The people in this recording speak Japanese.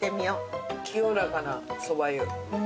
清らかなそば湯。